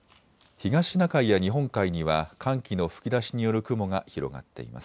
東シナ海や日本海には寒気の吹き出しによる雲が広がっています。